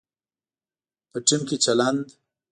په ټیم کې چلند